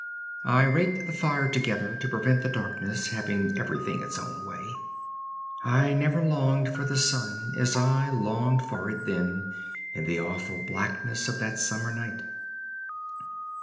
I raked the fire together to prevent the darkness having everything its own way. I never longed for the sun as I longed for it then in the awful blackness of that summer night.